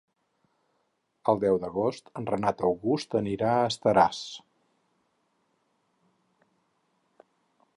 El deu d'agost en Renat August anirà a Estaràs.